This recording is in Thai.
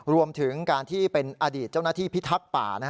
รวมถึงการที่เป็นอดีตเจ้าหน้าที่พิทักษ์ป่า